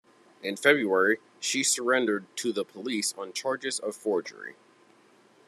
In February, she surrendered to the police on charges of forgery.